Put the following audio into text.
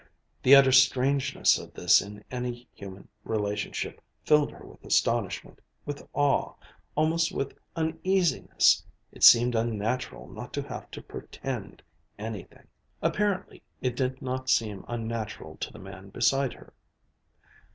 The utter strangeness of this in any human relationship filled her with astonishment, with awe, almost with uneasiness. It seemed unnatural not to have to pretend anything! Apparently it did not seem unnatural to the man beside her.